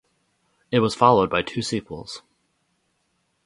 It was followed by two sequels.